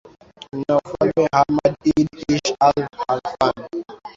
na mfalme hamad idd ish al halfan